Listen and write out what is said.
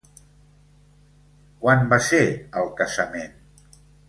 Quan va ser el casament?